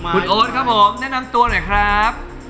คุณโอ๊ตครับผมแนะนำตัวหน่อยครับ